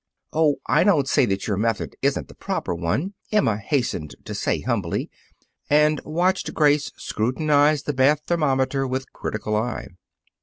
"Oh, I don't say that your method isn't the proper one," Emma hastened to say humbly, and watched Grace scrutinize the bath thermometer with critical eye.